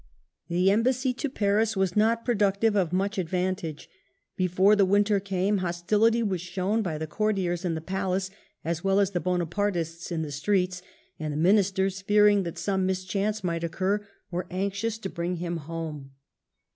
The embassy to Paris was not productive of much advantage. Before the winter came, hostility was shown by the courtiers in the palace, as well as the Bonapartists in the streets, and the Ministers, fearing that some mischance might occur, were anxious to bring him home.